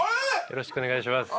よろしくお願いします。